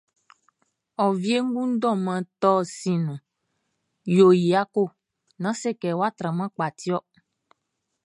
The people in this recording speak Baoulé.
Ô Wiégoun Mʼdôman Torh Siʼn nouh, yo y yako...Nan sékê, wa tranman pka tiorh.